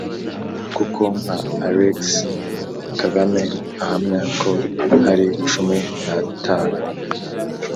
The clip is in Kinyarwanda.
kuko nka Alexis Kagame ahamya ko ari cumi n’atanu